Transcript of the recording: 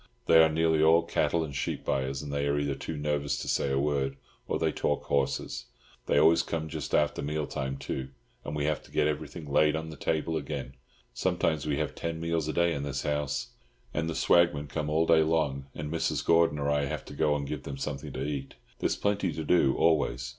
They are nearly all cattle and sheep buyers, and they are either too nervous to say a word, or they talk horses. They always come just after mealtime, too, and we have to get everything laid on the table again—sometimes we have ten meals a day in this house. And the swagmen come all day long, and Mrs. Gordon or I have to go and give them something to eat; there's plenty to do, always.